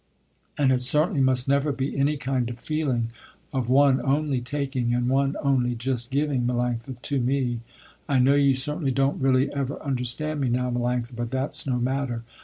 And it certainly must never be any kind of feeling, of one only taking, and one only just giving, Melanctha, to me. I know you certainly don't really ever understand me now Melanctha, but that's no matter.